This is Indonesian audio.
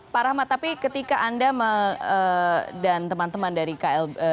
pak rahmat tapi ketika anda dan teman teman dari klb